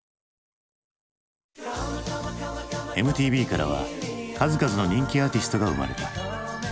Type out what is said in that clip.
ＭＴＶからは数々の人気アーティストが生まれた。